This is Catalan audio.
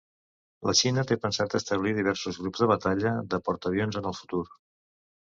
La Xina té pensat establir diversos grups de batalla de portaavions en el futur.